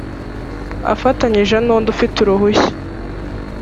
afatanyije n’ undi ufite uruhushya